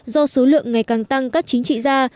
do số lượng ngày càng tăng các chính trị gia